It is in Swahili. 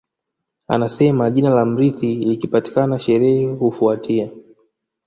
Anasema jina la mrithi likipatikana sherehe hufuatia